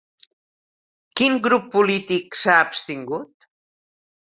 Quin grup polític s'ha abstingut?